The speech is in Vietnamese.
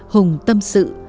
hùng tâm sự